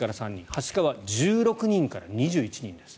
はしかは１６人から２１人です。